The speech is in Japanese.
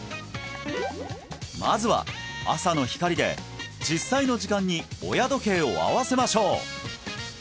まずは朝の光で実際の時間に親時計を合わせましょう！